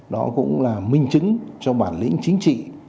đó cũng là minh chứng cho bản lĩnh chính trị